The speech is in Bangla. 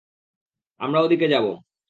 আমরা ওদিকে যাবো।